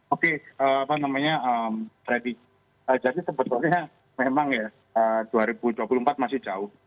oke apa namanya jadi sebetulnya memang ya dua ribu dua puluh empat masih jauh